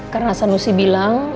karena sanusi bilang